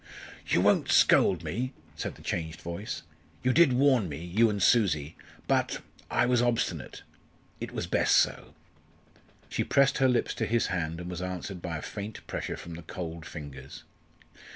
"You won't scold me?" said the changed voice "you did warn me you and Susie but I was obstinate. It was best so!" She pressed her lips to his hand and was answered by a faint pressure from the cold fingers.